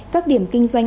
các điểm kinh doanh